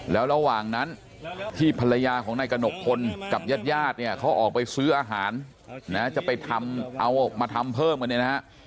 แล้วระหว่างนั้นที่ภรรยาของนายกระหนกพลกับญาติญาติเนี่ยเขาออกไปซื้ออาหารนะจะไปทำเอาออกมาทำเพิ่มกันเนี่ยนะฮะ